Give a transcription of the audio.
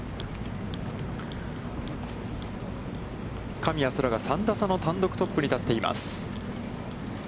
神谷そらが３打差の単独トップに立っています。